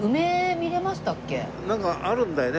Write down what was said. なんかあるんだよね